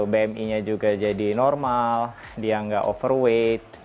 bmi nya juga jadi normal dia nggak overweight